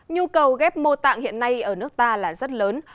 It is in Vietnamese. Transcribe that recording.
nhu cầu ghép mô tạng hiện nay ở nước ta là rất lớn